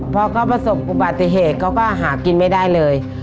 พอเขาประสบอุบัติเหตุเขาก็หากินไม่ได้เลย